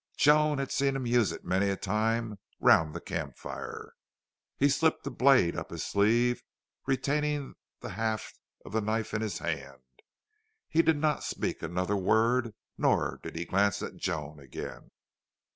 Joan had seen him use it many a time round the camp fire. He slipped the blade up his sleeve, retaining the haft of the knife in his hand. He did not speak another word. Nor did he glance at Joan again.